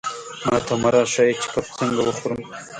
ماته مه را ښیه چې کب څنګه وخورم.